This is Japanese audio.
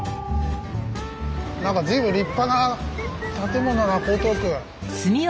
何か随分立派な建物が江東区。